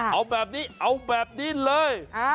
เอาแบบนี้เอาแบบนี้เลย